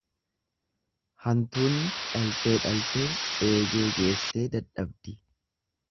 Hantuutni dhaltee dhaltee eegee geessee dadhabdi.